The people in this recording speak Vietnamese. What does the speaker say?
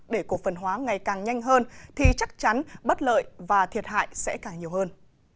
để cổ phần hóa ngày càng nhanh hơn thì chắc chắn bất lợi và thiệt hại sẽ càng nhiều hơn